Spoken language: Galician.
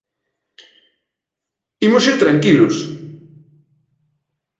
Imos ir tranquilos.